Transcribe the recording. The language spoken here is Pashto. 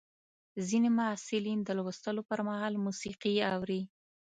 ځینې محصلین د لوستلو پر مهال موسیقي اوري.